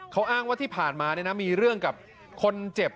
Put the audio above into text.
เขาอ้างว่าที่ผ่านมามีเรื่องกับคนเจ็บ